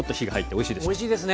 おいしいですね。